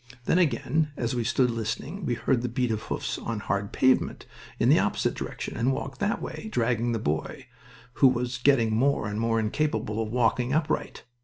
Then again, as we stood listening, we heard the beat of hoofs on hard pavements, in the opposite direction, and walked that way, dragging the boy, who was getting more and more incapable of walking upright.